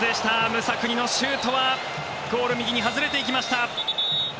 ムサクニのシュートはゴール右に外れていきました。